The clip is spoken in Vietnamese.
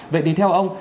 vậy thì theo ông